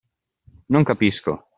Non capisco!